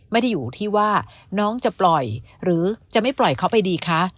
ไม่ได้อยู่ที่ว่าน้องจะปล่อยหรือจะไม่ปล่อยเขาไปดีคะ